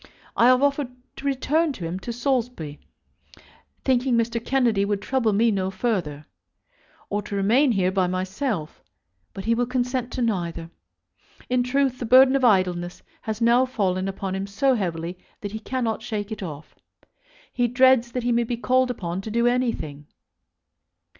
I have offered to return with him to Saulsby, thinking that Mr. Kennedy would trouble me no further, or to remain here by myself; but he will consent to neither. In truth the burden of idleness has now fallen upon him so heavily that he cannot shake it off. He dreads that he may be called upon to do anything.